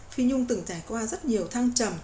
phi nhung từng trải qua rất nhiều thăng trầm